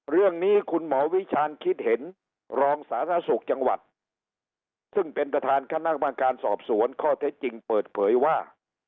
เรื่องนี้คุณหมอวิชาณคิดเห็นรองสาธารณสุขจังหวัดซึ่งเป็นประธานคณะบางการสอบสวนข้อเท็จจริงเปิดเผยว่า